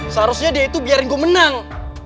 seharusnya dia itu biarin gue menang